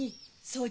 そう。